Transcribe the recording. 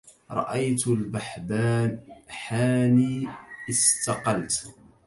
رأيت البحبحاني استقلت